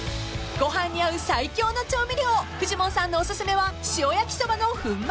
［ご飯に合う最強の調味料フジモンさんのお薦めは塩焼きそばの粉末。